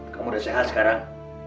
kamu sudah sehat sekarang